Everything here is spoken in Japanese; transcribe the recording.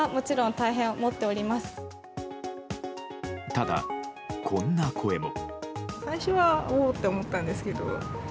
ただ、こんな声も。